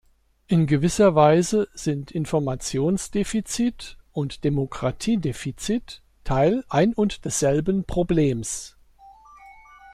In gewisser Weise sind Informationsdefizit und Demokratiedefizit Teil ein und desselben Problems.